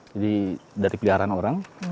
jadi dari peliharaan orang